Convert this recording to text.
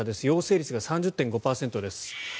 陽性率が３０．５％です。